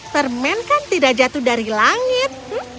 permen kan tidak jatuh dari langit